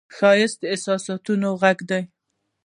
ښایست د احساساتو غږ دی